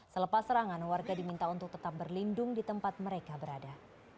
selepas serangan warga diminta untuk tetap berlindung di tempat mereka berada